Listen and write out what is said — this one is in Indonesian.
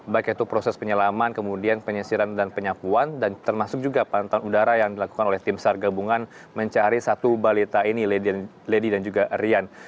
baik itu proses penyelaman kemudian penyisiran dan penyapuan dan termasuk juga pantauan udara yang dilakukan oleh tim sar gabungan mencari satu balita ini lady dan juga rian